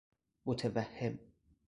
متوهم